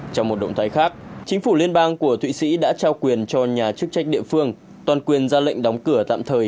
trong một động thái khác chính phủ liên bang của thụy sĩ đã trao quyền cho nhà chức trách địa phương toàn quyền ra lệnh đóng cửa tạm thời